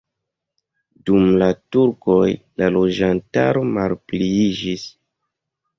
Dum la turkoj la loĝantaro malpliiĝis.